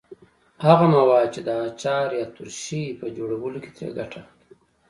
هغه مواد چې د اچار یا ترشۍ په جوړولو کې ترې ګټه اخلئ.